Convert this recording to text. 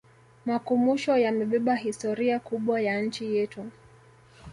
makumusho yamebeba historia kubwa ya nchi yetu